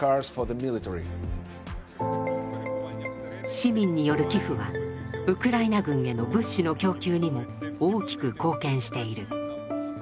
市民による寄付はウクライナ軍への物資の供給にも大きく貢献している。